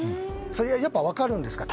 それはやっぱ分かるんですか？